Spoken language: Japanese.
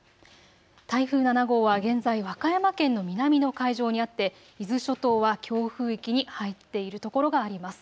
台風７号は現在、和歌山県の南の海上にあって伊豆諸島は強風域に入っているところがあります。